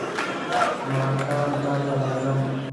ماښام ته راځم .